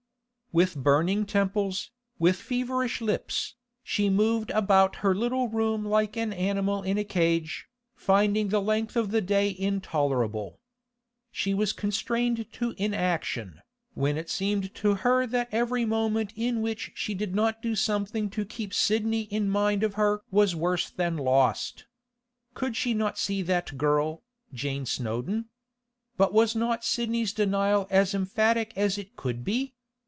With burning temples, with feverish lips, she moved about her little room like an animal in a cage, finding the length of the day intolerable. She was constrained to inaction, when it seemed to her that every moment in which she did not do something to keep Sidney in mind of her was worse than lost. Could she not see that girl, Jane Snowdon? But was not Sidney's denial as emphatic as it could be?